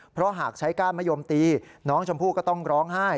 เพราะหากใช้ก้านมะยมตีน้องชมพู่ก็ต้องร้องไห้